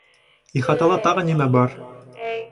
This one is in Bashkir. Ихатала тағы нимә бар?